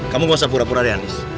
kamu gak usah pura pura deh andis